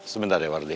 sebentar ya wardi